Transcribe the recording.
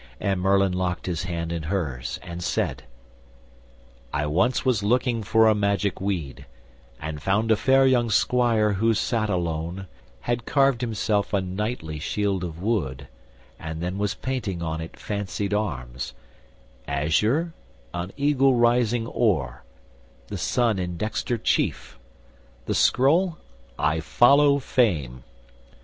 And Merlin locked his hand in hers and said, "I once was looking for a magic weed, And found a fair young squire who sat alone, Had carved himself a knightly shield of wood, And then was painting on it fancied arms, Azure, an Eagle rising or, the Sun In dexter chief; the scroll 'I follow fame.